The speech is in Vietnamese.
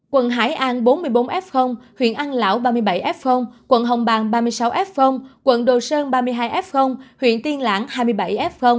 quận hải an bốn mươi bốn f huyện an lão ba mươi bảy f quận hồng bàng ba mươi sáu f quận đồ sơn ba mươi hai f huyện tiên lãng hai mươi bảy f